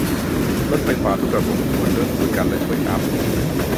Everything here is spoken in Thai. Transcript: รถไฟฟ้าทุกระบบควรเริ่มคุยกัน และช่วยอัพ